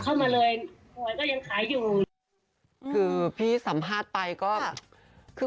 ค่ะเข้ามาเลยเหมือนก็ยังขายอยู่คือพี่สำหรับไปก็คือ